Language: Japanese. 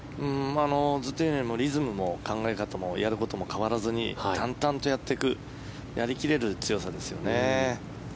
ずっとリズムも考え方もやることも変わらずに淡々とやっていくやり切れる強さですよね。